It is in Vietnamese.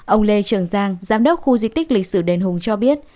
ông lê trường giang giám đốc khu di tích lịch sử đền hùng cho biết